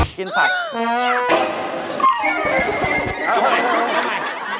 กินผลักษณ์